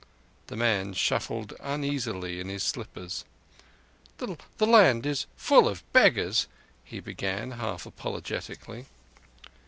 The man shuffled uneasily in his slippers. "The land is full of beggars," he began, half apologetically.